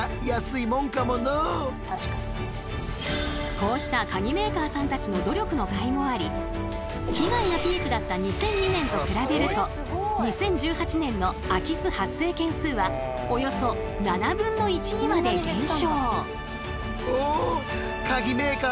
こうしたカギメーカーさんたちの努力のかいもあり被害がピークだった２００２年と比べると２０１８年の空き巣発生件数はおよそ７分の１にまで減少。